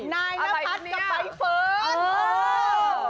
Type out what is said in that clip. นายนพัสว์กับนายเฟิรต